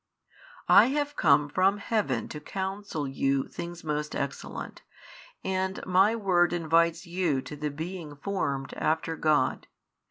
I have come from Heaven to counsel you things most excellent, and My Word invites you to the being formed after God.